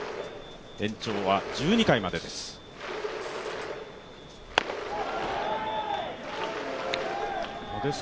延長は１２回までです。